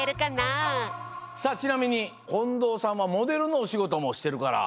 さあちなみに近藤さんはモデルのおしごともしてるから。